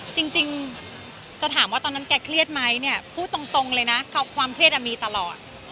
จริงจะถามว่าตอนนั้นแกเครียดไหมเนี่ยพูดตรงเลยนะความเครียดมีตลอด